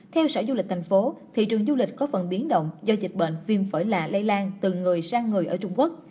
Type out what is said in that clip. theo sở du lịch thành phố thị trường du lịch có phần biến động do dịch bệnh viêm phổi lạ lây lan từ người sang người ở trung quốc